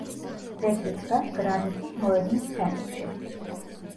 ძეგლი დგას გრანიტის მოედნის ცენტრში.